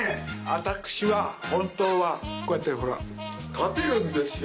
私は本当はこうやってほら立てるんですよ